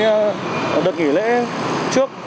và những đợt nghỉ lễ trước